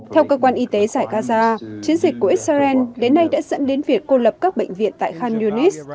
theo cơ quan y tế giải gaza chiến dịch của israel đến nay đã dẫn đến việc cô lập các bệnh viện tại khan yunis